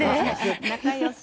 仲よし。